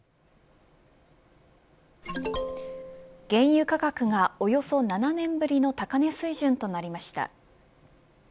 原油価格がおよそ７年ぶりの高値水準となりました。